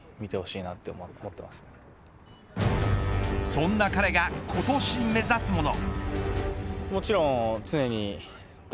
そんな彼が今年目指すもの。